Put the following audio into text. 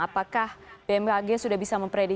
apakah bmkg sudah bisa memprediksi